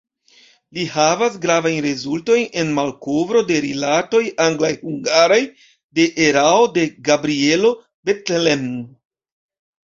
Li havas gravajn rezultojn en malkovro de rilatoj anglaj-hungaraj, de erao de Gabrielo Bethlen.